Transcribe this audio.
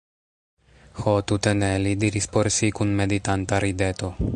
Ho tute ne, li diris por si kun meditanta rideto.